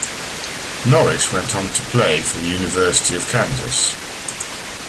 Norris went on to play for the University of Kansas.